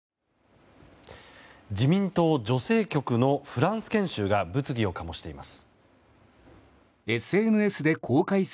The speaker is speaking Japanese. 自民党女性局のフランス研修が物議を醸しています。